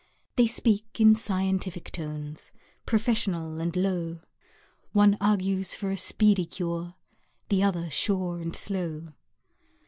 They speak in scientific tones, Professional and low One argues for a speedy cure, The other, sure and slow.